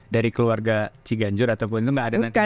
dari keluarga ciganjur ataupun itu nggak ada nanti